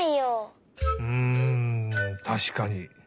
うんたしかに。